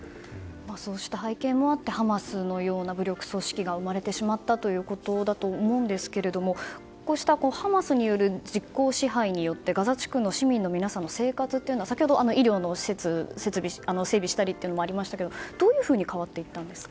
そうした背景もあってハマスのような武力組織が生まれてしまったということだと思うんですけどもこうしたハマスによる実効支配によってガザ地区の市民の皆さんの生活は先ほど医療の施設を整備したりなどありましたがどういうふうに変わっていったんですか。